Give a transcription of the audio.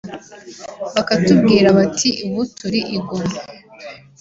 bakatubwira bati ubu turi i Goma